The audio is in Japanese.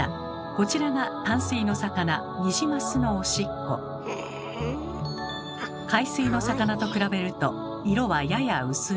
こちらが淡水の魚海水の魚と比べると色はやや薄め。